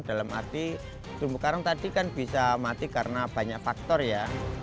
dalam arti terumbu karang tadi kan bisa mati karena banyak faktor ya